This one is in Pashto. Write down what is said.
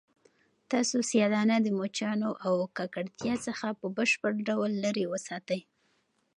تاسو سیاه دانه د مچانو او ککړتیا څخه په بشپړ ډول لیرې وساتئ.